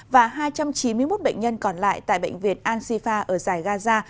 và hai trăm chín mươi một bệnh nhân còn lại tại bệnh viện ansifa ở giải gaza